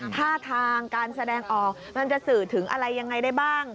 ท่าทางการแสดงออกมันจะสื่อถึงอะไรยังไงได้บ้าง